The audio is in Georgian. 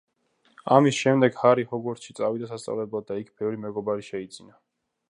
ამის შემდეგ ჰარი ჰოგვორტსში წავიდა სასწავლებლად და იქ ბევრი მეგობარი შეიძინა.